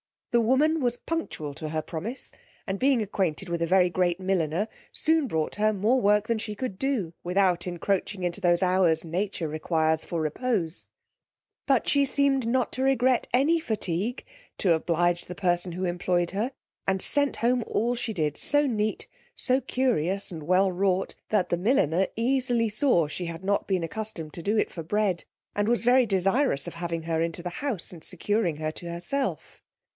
The woman was punctual to her promise; and being acquainted with a very great milliner, soon brought her more work than she could do, without encroaching into those hours nature requires for repose: but she seemed not to regret any fatigue to oblige the person who employed her, and sent home all she did so neat, so curious, and well wrought, that the milliner easily saw she had not been accustomed to do it for bread, and was very desirous of having her into the house, and securing her to herself.